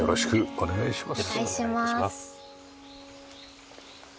お願いします。